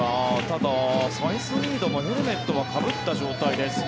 ただ、サイスニードもヘルメットはかぶった状態です。